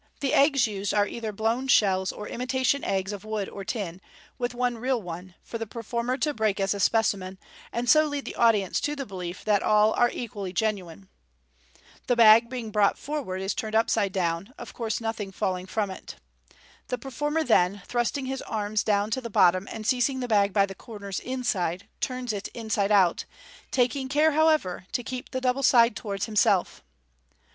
The eggs used are either blown shells or imitation eggs of wood or tin, with one real one for the performer to break as a specimen, and so lead the audience to the belief that all are equally genuine. The bag being brought forward is turned upside down — of course nothing falling from it. The performer then, thrusting his arms down to the bottom, and seizing the bag by the corners inside, turns it inside out, taking care, however, to keep the double side towards himself.